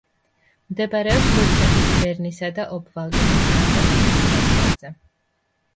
მდებარეობს ლუცერნის, ბერნისა და ობვალდენის კანტონების საზღვარზე.